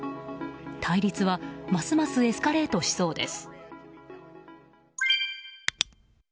対立は、ますますエスカレートしそうです。